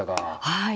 はい。